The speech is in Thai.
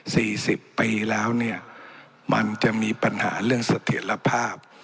สี่สิบปีแล้วเนี่ยมันจะมีปัญหาเรื่องเสถียรภาพ